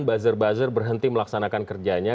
buzzer buzzer berhenti melaksanakan kerjanya